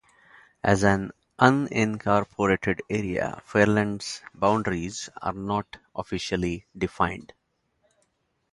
As an unincorporated area, Fairland's boundaries are not officially defined.